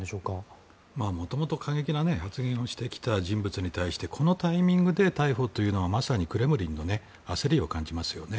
元々過激な発言をしてきた人物に対してこのタイミングで逮捕というのはまさにクレムリンの焦りを感じますよね。